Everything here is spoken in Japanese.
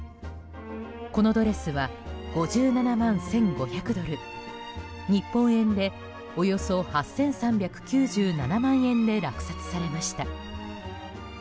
このドレスは５７万１５００ドル日本円で、およそ８３９７万円で落札されました。